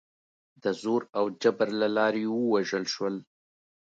د زور او جبر له لارې ووژل شول.